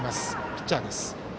ピッチャーです。